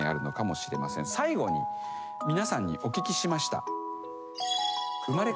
最後に皆さんにお聞きしました。